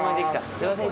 すいません。